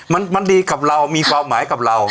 มันดีกับเรามีความหมายกับเรา